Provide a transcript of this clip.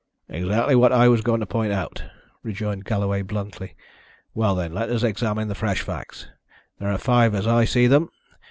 "Exactly what I was going to point out," rejoined Galloway bluntly. "Well, then, let us examine the fresh facts. There are five as I see them.